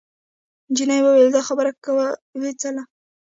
جینۍ وویل دا خبرې کوې څله؟